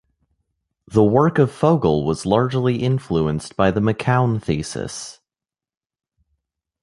The work of Fogel was largely influenced by the McKeown thesis.